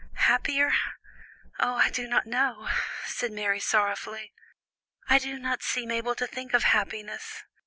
"Happier? Ah, I do not know," said Mary sorrowfully. "I do not seem able to think of happiness.